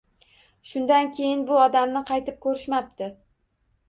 Shundan keyin bu odamni qaytib ko‘rishmabdi.